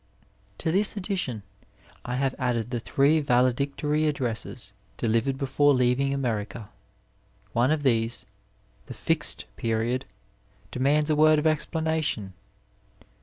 To this edition I have added the three Valedictory addresses deUvered before leaving America. One of these — The Fixed Period — demands a word of explanation.